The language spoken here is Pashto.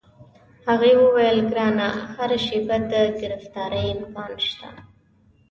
هغې وویل: ګرانه، هره شیبه د ګرفتارۍ امکان شته.